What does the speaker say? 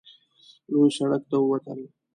لوی سړک ته ووتل.